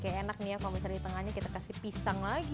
kayak enak nih ya kalau misalnya di tengahnya kita kasih pisang lagi